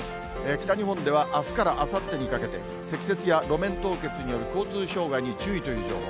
北日本ではあすからあさってにかけて、積雪や路面凍結による交通障害に注意という情報。